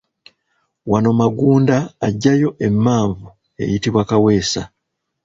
Wano Magunda aggyayo emmanvu eyitibwa Kaweesa.